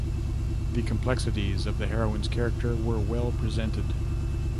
The complexities of the heroine's character were well presented.